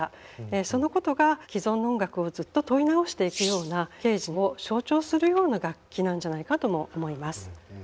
そのことが既存の音楽をずっと問い直していくようなケージを象徴するような楽器なんじゃないかとも思います。